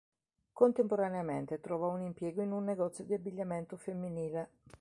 Contemporaneamente trovò un impiego in un negozio di abbigliamento femminile.